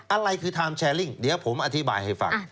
อะไรคือไทม์แชร์ลิ่งเดี๋ยวผมอธิบายให้ฟัง